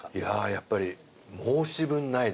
やっぱり申し分ないですね。